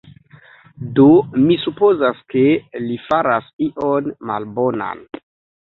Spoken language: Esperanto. Do, mi supozas, ke li faras ion malbonan